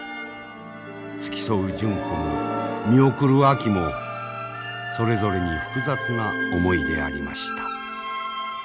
付き添う純子も見送るあきもそれぞれに複雑な思いでありました。